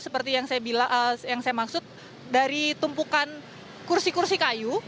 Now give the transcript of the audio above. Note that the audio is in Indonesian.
seperti yang saya maksud dari tumpukan kursi kursi kayu